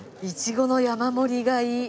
いちごの山盛り買い。